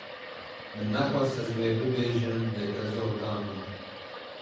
Min nexwast ez wê bibêjim lê te zor da min.